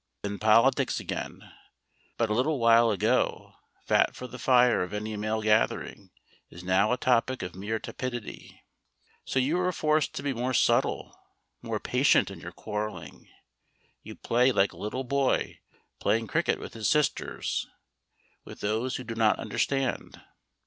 Then politics again, but a little while ago fat for the fire of any male gathering, is now a topic of mere tepidity. So you are forced to be more subtle, more patient in your quarrelling. You play like a little boy playing cricket with his sisters, with those who do not understand.